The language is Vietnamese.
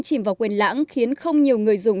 chìm vào quên lãng khiến không nhiều người dùng